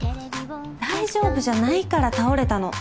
大丈夫じゃないから倒れたの。